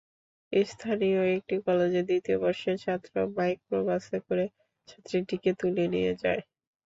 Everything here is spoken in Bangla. স্থানীয় একটি কলেজের দ্বিতীয় বর্ষের ছাত্র মাইক্রোবাসে করে ছাত্রীটিকে তুলে নিয়ে যায়।